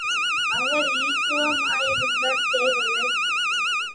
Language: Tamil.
அவர் ஈசிவமாயிருந்தால் தேவலை.